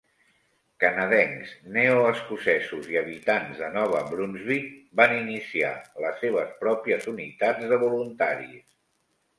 Canadencs, neoescocesos i habitants de Nova Brunsvic van iniciar les seves pròpies unitats de voluntaris.